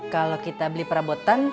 kalau kita beli perabotan